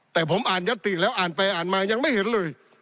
แต่ผมอ่านยัตติแล้วอ่านไปอ่านมายังไม่เห็นเลย